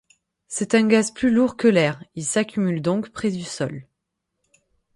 C'est un gaz plus lourd que l'air, il s'accumule donc près du sol.